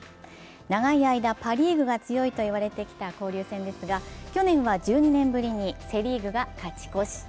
長い間パ・リーグが強いといわれてきた交流戦ですが去年は１２年ぶりにセ・リーグが勝ち越し。